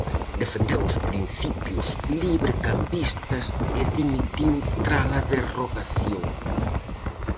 Defendeu os principios librecambistas e dimitiu trala derrogación.